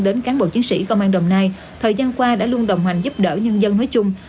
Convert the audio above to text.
đến cán bộ chiến sĩ công an đồng nai thời gian qua đã luôn đồng hành giúp đỡ nhân dân nói chung